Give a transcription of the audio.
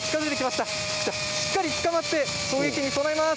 しっかりつかまって衝撃に備えます。